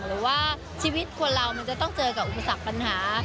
หรือว่าชีวิตคนเรามันจะต้องเจอกับอุปสรรคปัญหา